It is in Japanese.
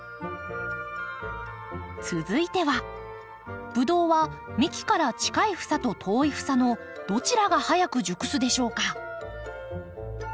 続いてはブドウは幹から近い房と遠い房のどちらが早く熟すでしょうか？